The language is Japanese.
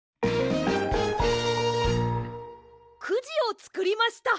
くじをつくりました！